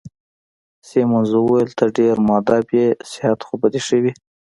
سیمونز وویل: ته ډېر مودب يې، صحت خو به دي ښه وي؟